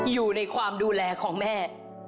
อยู่ในความดูแลของแม่